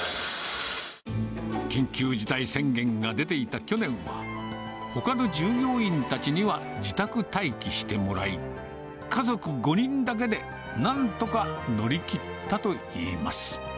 緊急事態宣言が出ていた去年は、ほかの従業員たちには自宅待機してもらい、家族５人だけでなんとか乗り切ったといいます。